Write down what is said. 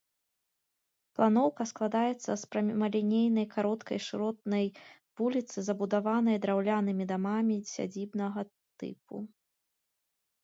Планоўка складаецца з прамалінейнай кароткай шыротнай вуліцы, забудаванай драўлянымі дамамі сядзібнага тыпу.